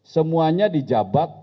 semuanya di jabat